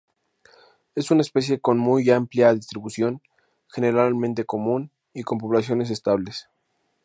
Es una especie con muy amplia distribución, generalmente común, y con poblaciones estables.